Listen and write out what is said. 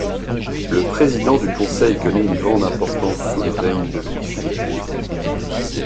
Le président du Conseil connaît une grande importance sous le règne de Louis-Philippe.